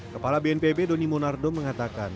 kepala bnpb doni monardo mengatakan